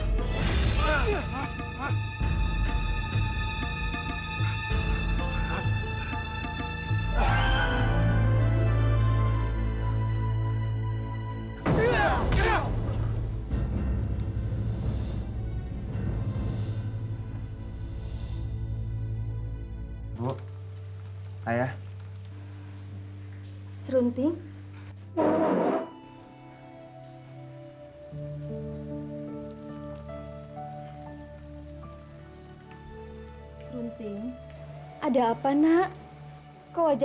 sampai jumpa di video selanjutnya